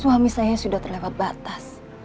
suami saya sudah terlewat batas